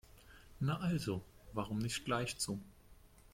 Na also, warum nicht gleich so?